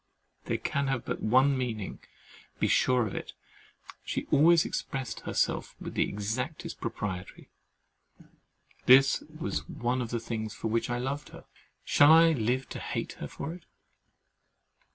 They can have but one meaning, be sure of it—she always expressed herself with the exactest propriety. That was one of the things for which I loved her—shall I live to hate her for it?